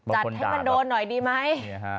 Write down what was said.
จัดให้มันโดนหน่อยดีไหม